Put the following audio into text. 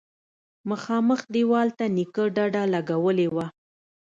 مخامخ دېوال ته نيکه ډډه لگولې وه.